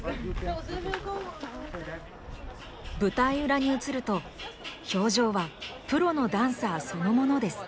舞台裏に移ると表情はプロのダンサーそのものです。